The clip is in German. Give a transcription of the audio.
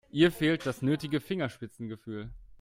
Ihr fehlt das nötige Fingerspitzengefühl.